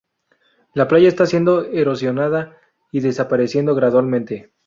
La playa está siendo erosionada y desapareciendo gradualmente.